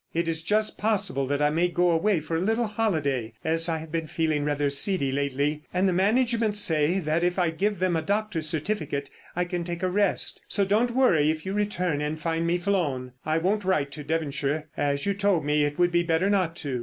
It is just possible that I may go away for a little holiday, as I have been feeling rather seedy, lately, and the management say that if I give them a doctor's certificate I can take a rest. So don't worry if you return and find me flown. I won't write to Devonshire as you told me it would be better not to.